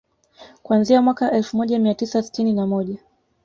Kuanzia mwaka elfu moja mia tisa sitini na moja